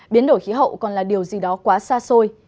biến đổi khí hậu còn là điều gì đó quá xa xôi